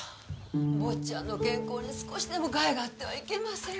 坊ちゃんの健康に少しでも害があってはいけませんから。